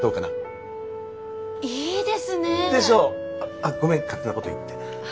あっごめん勝手なこと言って。